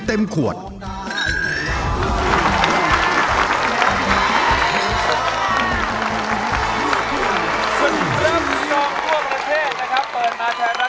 สมียองทั่วประเทศนะครับ